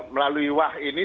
melalui wah ini